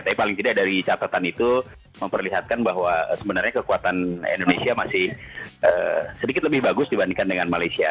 tapi paling tidak dari catatan itu memperlihatkan bahwa sebenarnya kekuatan indonesia masih sedikit lebih bagus dibandingkan dengan malaysia